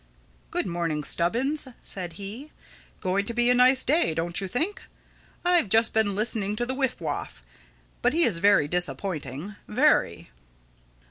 "Good morning, Stubbins," said he. "Going to be a nice day, don't you think? I've just been listening to the Wiff Waff. But he is very disappointing—very."